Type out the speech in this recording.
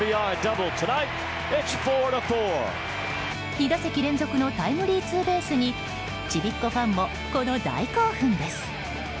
２打席連続のタイムリーツーベースにちびっこファンもこの大興奮です。